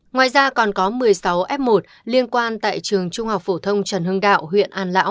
ngoài ra còn có một mươi sáu f một liên quan tại trường trung học phổ thông trần hưng đại